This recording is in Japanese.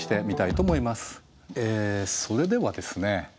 それではですね